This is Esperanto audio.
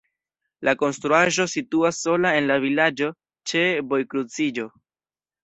La konstruaĵo situas sola en la vilaĝo ĉe vojkruciĝo.